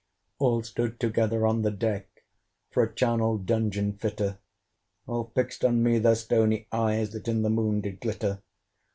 All stood together on the deck, For a charnel dungeon fitter: All fixed on me their stony eyes, That in the Moon did glitter.